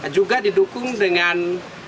juga didukung dengan